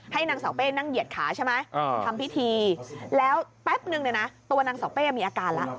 นางเสาเป้นั่งเหยียดขาใช่ไหมทำพิธีแล้วแป๊บนึงเนี่ยนะตัวนางเสาเป้มีอาการแล้ว